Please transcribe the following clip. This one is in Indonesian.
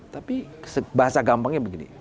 tapi bahasa gampangnya begini